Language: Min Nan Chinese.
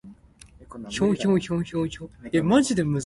無禁無忌，食百二